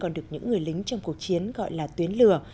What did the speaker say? còn được những người lính trong cuộc chiến gọi là tuyến lửa